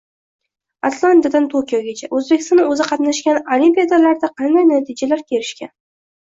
Atlantadan Tokiogacha. O‘zbekiston o‘zi qatnashgan Olimpiadalarda qanday natijalarga erishgan?